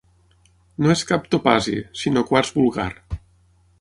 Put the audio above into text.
No és cap topazi, sinó quars vulgar.